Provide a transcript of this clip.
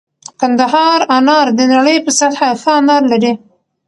کندهار انار د نړۍ په سطحه ښه انار لري